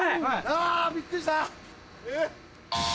あびっくりした。